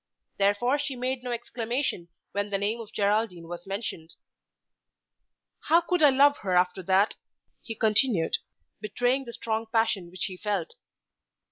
Therefore she made no exclamation when the name of Geraldine was mentioned. "How could I love her after that?" he continued, betraying the strong passion which he felt.